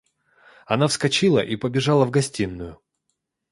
Она вскочила и побежала в гостиную.